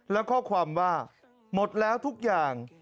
และข้อความว่าหมดแล้วทุกอย่าง